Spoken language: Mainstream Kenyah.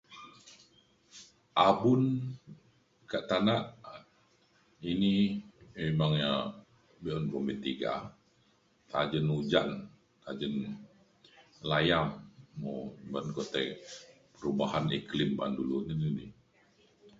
Abun ke tanak ini memang ya beun kumin tega tajen hujan tajen layam mo ban luk tai perubahan iklim ba'an dulu nekini.